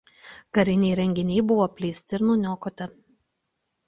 Kariniai įrenginiai buvo apleisti ir nuniokoti.